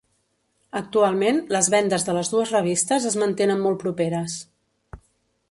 Actualment, les vendes de les dues revistes es mantenen molt properes.